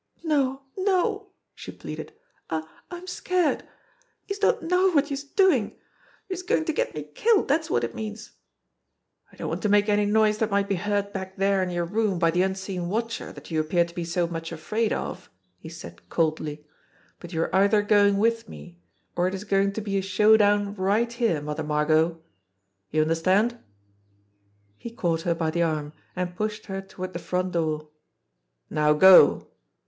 "No, no!" she pleaded. "I I'm scared. Youse don't know wot youse're doin'. Youse're goin' to get me killed, dat's wot it means." "I don't want to make any noise that might be heard back there in your room by the unseen watcher that you appear to be so much afraid of," he said coldly ; "but you are either going with me, or it is going to be a showdown right here, Mother Margot. You understand?" He caught her by the arm, and pushed her toward the front door. "Now go